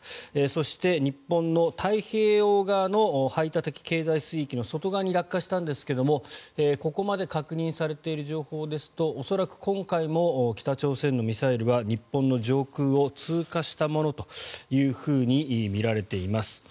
そして、日本の太平洋側の排他的経済水域の外側に落下したんですがここまで確認されている情報ですと恐らく今回も北朝鮮のミサイルは日本の上空を通過したものというふうにみられています。